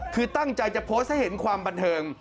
คือตั้งใจจะโพสต์ให้เห็นความบันเทิง